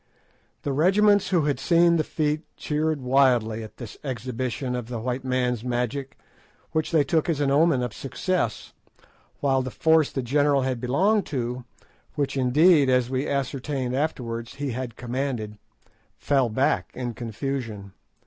The regiments who had seen the feat cheered wildly at this exhibition of the white man's magic, which they took as an omen of success, while the force the general had belonged to—which, indeed, as we ascertained afterwards, he had commanded—fell back in confusion.